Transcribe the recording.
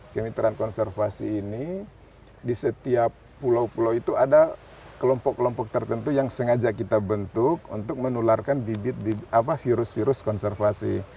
kemitraan konservasi ini di setiap pulau pulau itu ada kelompok kelompok tertentu yang sengaja kita bentuk untuk menularkan bibit virus virus konservasi